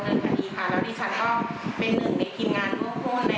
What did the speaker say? ให้มารับทราบแล้วก็ได้มาสอบสวนว่า